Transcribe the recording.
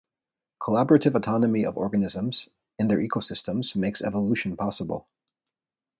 Collaborative autonomy of organisms in their ecosystems makes evolution possible.